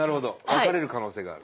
分かれる可能性がある？